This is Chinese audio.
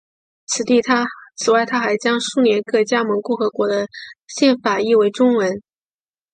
此外他还将苏联各加盟共和国的宪法译为中文。